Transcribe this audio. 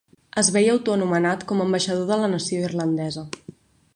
Es veia autoanomenat com a ambaixador de la nació irlandesa.